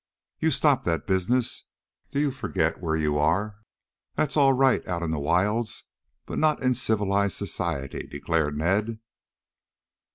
"You stop that business. Do you forget where you are? That's all right out in the wilds, but not in civilized society," declared Ned.